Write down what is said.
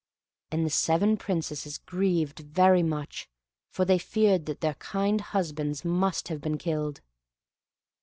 And the seven Princesses grieved very much, for they feared that their kind husbands must have been killed.